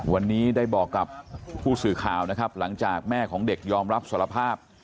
วันนี้ได้บอกกับผู้สื่อข่าวนะครับหลังจากแม่ของเด็กยอมรับสารภาพ